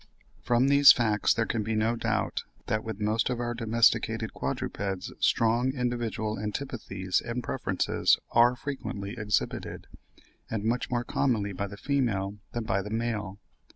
From these facts there can be no doubt that, with most of our domesticated quadrupeds, strong individual antipathies and preferences are frequently exhibited, and much more commonly by the female than by the male.